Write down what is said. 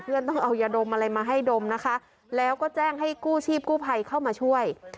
ต้องเอายาดมอะไรมาให้ดมนะคะแล้วก็แจ้งให้กู้ชีพกู้ภัยเข้ามาช่วย